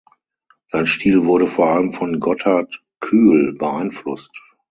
Sein Stil wurde vor allem von Gotthardt Kuehl beeinflusst.